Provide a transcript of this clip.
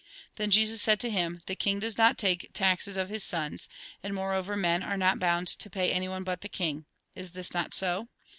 Then Jesus said to him :" The king does not take taxes of his sons ; and moreover, men are not bound to pay anyone but the king. Is this not so?